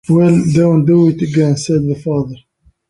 “Well, don’t do it again,” said the father.